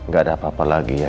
gak ada apa apa lagi ya